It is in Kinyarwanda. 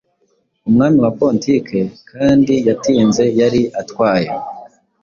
Umwami wa Pontique kandi yatinze yari atwaye